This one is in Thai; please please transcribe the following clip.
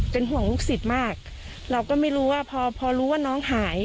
เป็นห่วงลูกศิษย์มากเราก็ไม่รู้ว่าพอพอรู้ว่าน้องหาย